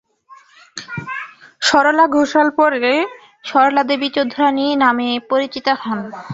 সরলা ঘোষাল পরে সরলাদেবী চৌধুরাণী নামে পরিচিতা হন।